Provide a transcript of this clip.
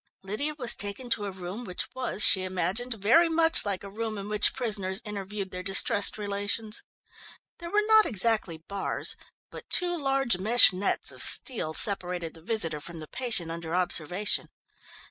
Lydia was taken to a room which was, she imagined, very much like a room in which prisoners interviewed their distressed relations. There were not exactly bars, but two large mesh nets of steel separated the visitor from the patient under observation.